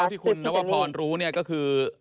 แต่ที่นัวภอนรู้ก็คือ